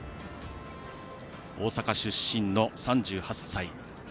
大阪出身の３８歳。